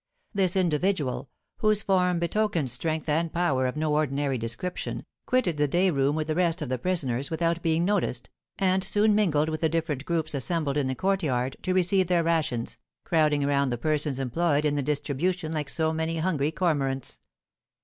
This individual, whose form betokened strength and power of no ordinary description, quitted the day room with the rest of the prisoners without being noticed, and soon mingled with the different groups assembled in the courtyard to receive their rations, crowding around the persons employed in the distribution like so many hungry cormorants.